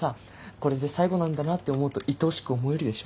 これで最後なんだなって思うといとおしく思えるでしょ？